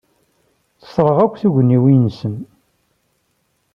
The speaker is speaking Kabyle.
Sserɣ akk tugniwin-nnes!